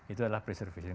itu adalah preservation